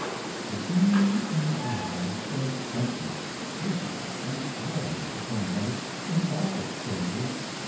The beam in the eye sheds brightness, beauty, and joy upon life in all its phases.